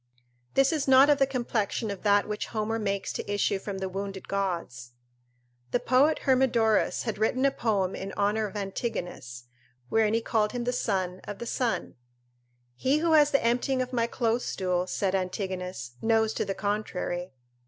This is not of the complexion of that which Homer makes to issue from the wounded gods." The poet Hermodorus had written a poem in honour of Antigonus, wherein he called him the son of the sun: "He who has the emptying of my close stool," said Antigonus, "knows to the contrary."